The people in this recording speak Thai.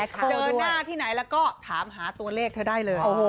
เจอหน้าที่ไหนแล้วก็ถามหาตัวเลขเธอได้เลย